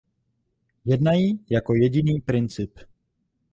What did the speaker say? Jednají jako „jediný princip“.